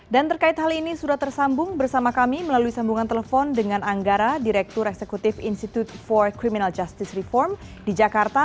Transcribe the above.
dan terkait hal ini sudah tersambung bersama kami melalui sambungan telepon dengan anggara direktur eksekutif institut for criminal justice reform di jakarta